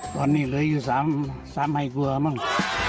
ตอนนี้เหลืออยู่๓สามฮัยกว่าได้มั้ง